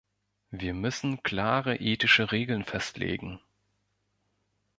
Wir müssen klare ethische Regeln festlegen.